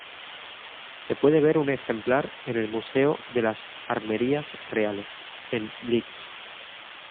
Se puede ver un ejemplar en el Museo de las Armerías Reales, en Leeds.